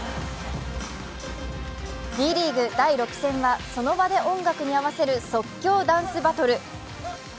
Ｄリーグ第６戦はその場で音楽に合わせる即興ダンスバトル。